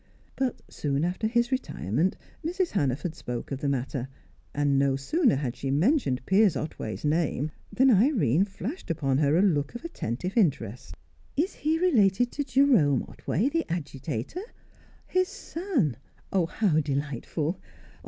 But soon after his retirement, Mrs. Hannaford spoke of the matter, and no sooner had she mentioned Piers Otway's name than Irene flashed upon her a look of attentive interest. "Is he related to Jerome Otway, the agitator? His son? How delightful!